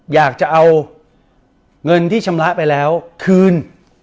อยากจะเอาเงินที่ชำระไปแล้วคืน